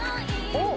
おっ！